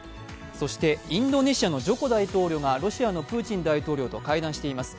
そして、インドネシアのジョコ大統領がロシアのプーチン大統領と会談しています。